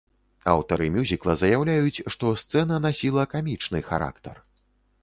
Аўтары мюзікла заяўляюць, што сцэна насіла камічны характар.